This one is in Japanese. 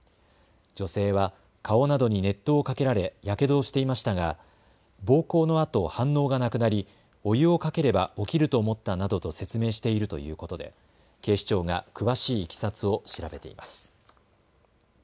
女性は顔などに熱湯をかけられやけどをしていましたが暴行のあと反応がなくなりお湯をかければ起きると思ったなどと説明しているということで警視庁が詳しいいきさつを調べています。